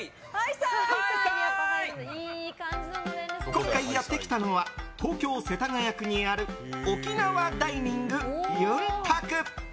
今回やってきたのは東京・世田谷区にある沖縄ダイニングゆんたく。